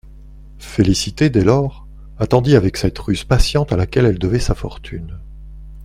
Félicité, dès lors, attendit avec cette ruse patiente à laquelle elle devait sa fortune.